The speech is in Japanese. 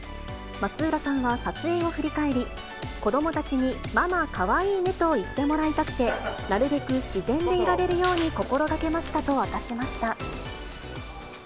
松浦さんは撮影を振り返り、子どもたちにママかわいいねと言ってもらいたくて、なるべく自然でいられるように心がけましたと明かしました。